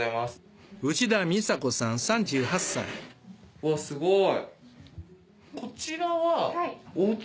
うわすごい。